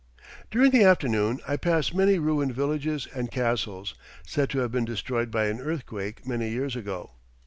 During the afternoon I pass many ruined villages and castles, said to have been destroyed by an earthquake many years ago.